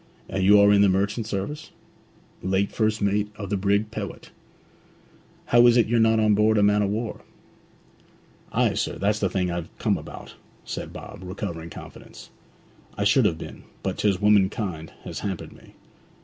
'And you are in the merchant service?' 'Late first mate of the brig Pewit.' 'How is it you're not on board a man of war?' 'Ay, sir, that's the thing I've come about,' said Bob, recovering confidence. 'I should have been, but 'tis womankind has hampered me.